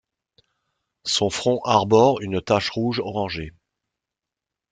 Son front arbore une tache rouge orangé.